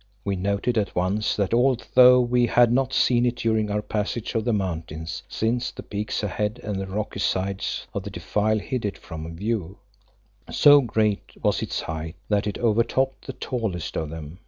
We noted at once that although we had not seen it during our passage of the mountains, since the peaks ahead and the rocky sides of the defile hid it from view, so great was its height that it overtopped the tallest of them.